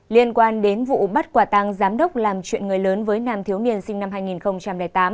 liên quan đến vụ bắt quả tăng giám đốc làm chuyện người lớn với nam thiếu niên sinh năm hai nghìn tám